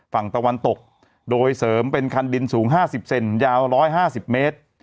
ฝั่งตะวันตกโดยเสริมเป็นคันดินสูง๕๐เซนยาว๑๕๐เมตร